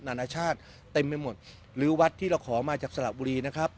นานาชาติเต็มไปหมดหรือวัดที่เราขอมาจากสระบุรีนะครับ